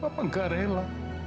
bapak gak rela